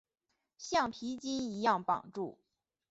橡皮筋一样绑住